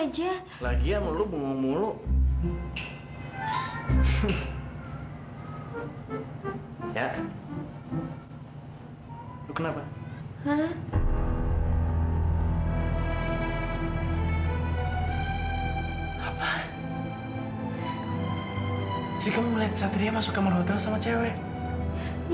jadi kamu melihat satria masuk kamar hotel sama cewek